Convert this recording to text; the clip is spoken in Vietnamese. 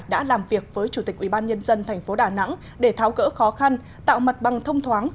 đã làm việc với chủ tịch ubnd tp đà nẵng để tháo cỡ khó khăn tạo mặt bằng thông thoáng